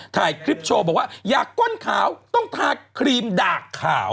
ถ่ายคลิปโชว์บอกว่าอยากก้นขาวต้องทาครีมดากขาว